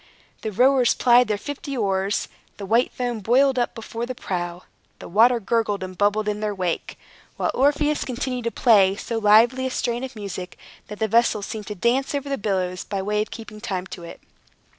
The rowers plied their fifty oars; the white foam boiled up before the prow; the water gurgled and bubbled in their wake; while Orpheus continued to play so lively a strain of music, that the vessel seemed to dance over the billows by way of keeping time to it.